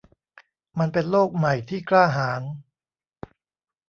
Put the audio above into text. มันเป็นโลกใหม่ที่กล้าหาญ